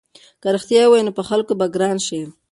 که رښتیا ووایې نو په خلکو کې به ګران شې.